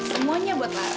semuanya buat lara